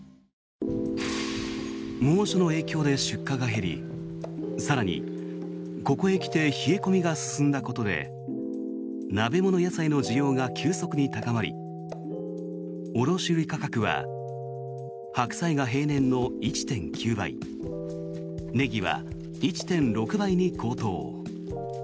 猛暑の影響で出荷が減り更にここへ来て冷え込みが進んだことで鍋物野菜の需要が急速に高まり卸売価格は白菜が平年の１．９倍ネギは１．６倍に高騰。